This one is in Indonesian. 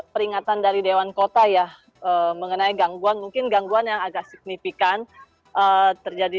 peringatan dari dewan kota ya mengenai gangguan mungkin gangguan yang agak signifikan terjadi